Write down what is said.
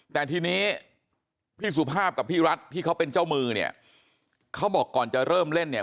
แต่ทีนี้พี่สุภาพกับพี่รัฐที่เขาเป็นเจ้ามือเนี่ยเขาบอกก่อนจะเริ่มเล่นเนี่ย